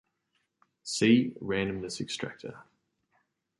"See" randomness extractor.